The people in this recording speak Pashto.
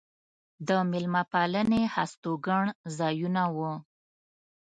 د مېلمه پالنې هستوګن ځایونه و.